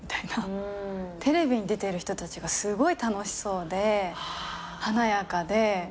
テレビに出てる人たちがすごい楽しそうで華やかで。